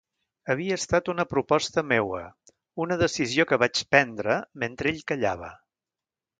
Havia estat una proposta meua, una decisió que vaig prendre, mentre ell callava.